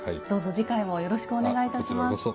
どうぞ次回もよろしくお願いいたします。